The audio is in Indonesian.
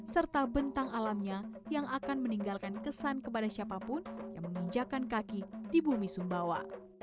serta bentang alamnya yang akan meninggalkan kesan kepada siapapun yang menginjakan kaki di bumi sumbawa